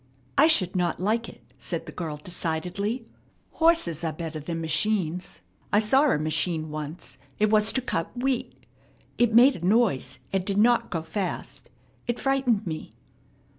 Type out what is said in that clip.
"I should not like it," said the girl decidedly. "Horses are better than machines. I saw a machine once. It was to cut wheat. It made a noise, and did not go fast. It frightened me."